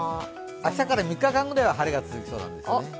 明日から３日間ぐらいは晴れが続きそうです。